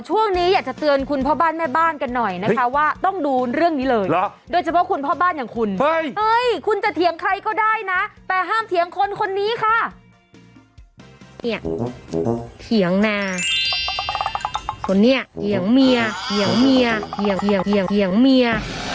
ค่ะนู่นเถียงแม่ครับนี่เถียงเมียนี่เถียงเมีย